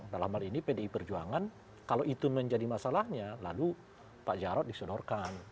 dalam hal ini pdi perjuangan kalau itu menjadi masalahnya lalu pak jarod disodorkan